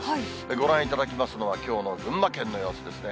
ご覧いただきますのは、きょうの群馬県の様子ですね。